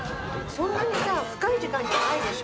そんなにさ深い時間じゃないでしょ。